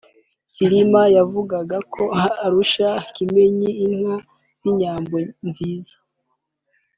Cyilima yavugaga ko arusha Kimenyi inka z’inyambo nziza